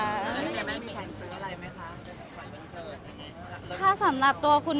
มันเป็นปัญหาจัดการอะไรครับ